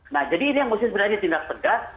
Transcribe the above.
nah jadi ini yang mungkin sebenarnya tindak tegas